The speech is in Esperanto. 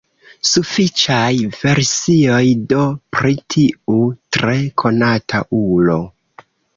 Sufiĉaj versioj do pri tiu tre konata ulo.